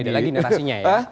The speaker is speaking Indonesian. ada lagi narasinya ya